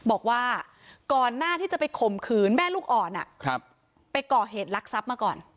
บอกว่าก่อนหน้าที่จะไปข่มขืนแม่ลูกอ่อนไปก่อเหตุลักษัพมาก่อน